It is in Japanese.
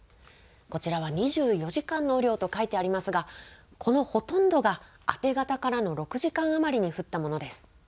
こちらは２４時間の雨量と書いてありますがこのほとんどが明け方からの６時間余りに降ったものです。